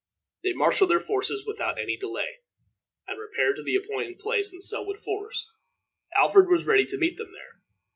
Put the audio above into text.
They marshaled their forces without any delay, and repaired to the appointed place in Selwood Forest. Alfred was ready to meet them there.